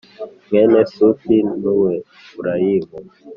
Mwene Sufi n’Umwefurayimu .